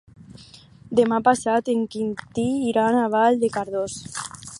Demà passat en Quintí irà a Vall de Cardós.